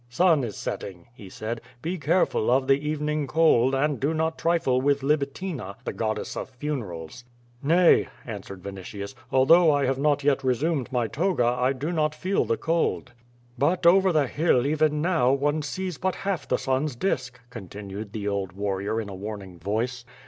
"Sun is setting," he said, "be careful of the evening cold, and do not trifle with Libitina, the goddess of funerals." *^ay," answered Vinitius, "although I have not yet re sumed my toga I do not feel the cold." "But over the hill even now one sees but half the sun's disk," continued the old warrior in a warning voice.